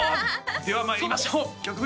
ではまいりましょう曲振り